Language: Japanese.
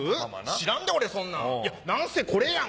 知らんで俺そんなん何せこれやん。